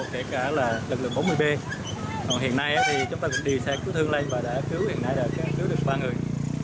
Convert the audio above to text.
kể cả lực lượng bốn mươi b còn hiện nay thì chúng ta cũng đi xe cứu thương lệnh và đã cứu hiện nay là cứu được ba người